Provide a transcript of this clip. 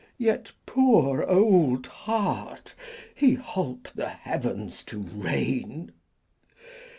Yet, poor old heart, he holp the heavens to rain.